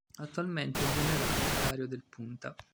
Attualmente il Generale è Dario Del Punta.